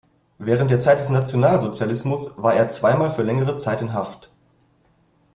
Während der Zeit des Nationalsozialismus war er zweimal für längere Zeit in Haft.